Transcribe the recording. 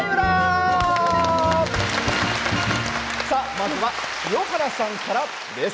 まずは清原さんからです。